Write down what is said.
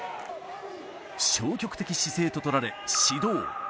消極的姿勢と取られ、指導。